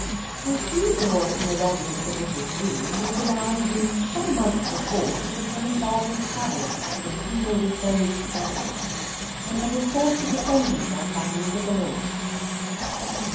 A few doors from the residence of Mrs. Lee lived a man who, some months before, had become involved in trouble with an evil disposed person, and been forced to defend himself by means of the law.